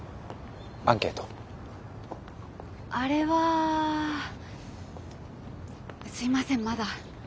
あれはすいませんまだ。